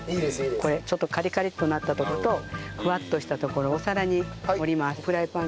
これちょっとカリカリッとなったところとふわっとしたところお皿に盛ります。